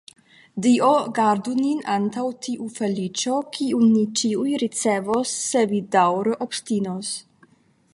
Dio gardu nin antaŭ tiu feliĉo, kiun ni ĉiuj ricevos, se vi daŭre obstinos.